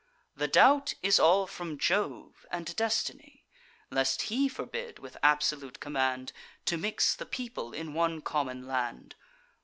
The doubt is all from Jove and destiny; Lest he forbid, with absolute command, To mix the people in one common land.